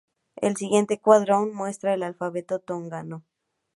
El siguiente cuadro muestra el alfabeto tongano.